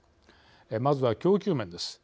まずは供給面です。